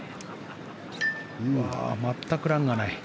全くランがない。